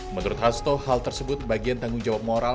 menurut hasto hal tersebut bagian tanggung jawab moral